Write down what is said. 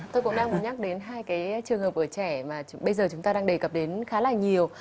tôi cũng đang muốn nhắc đến hai cái trường hợp của trẻ mà bây giờ chúng ta đang đề cập đến khá là nhiều